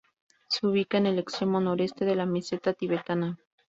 Se ubica en el extremo noreste de la Meseta Tibetana.